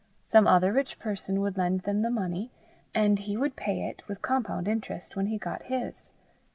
Some other rich person would lend them the money, and he would pay it, with compound interest, when he got his.